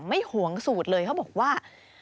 ไม่ห่วงสูตรเลยเค้าบอกว่า